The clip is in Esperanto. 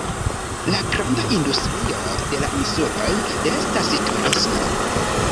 La granda industrio de la insuloj estas turismo.